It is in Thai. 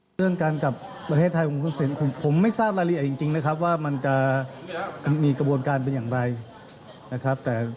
เรื่องการกลับประเทศไทยของคุณเสกผมไม่ทราบรายละเอียดจริงนะครับว่ามันจะมีกระบวนการเป็นอย่างไรนะครับ